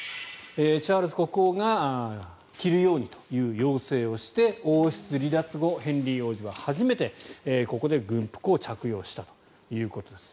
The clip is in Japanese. チャールズ国王が着るようにという要請をして王室離脱後、ヘンリー王子は初めてここで軍服を着用したということです。